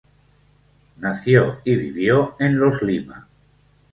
Nació y vivió en los Lima.